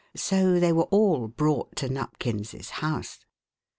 So they were all brought to Nupkins's house.